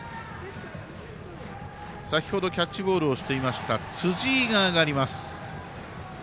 先ほどキャッチボールをしていた辻井が上がります。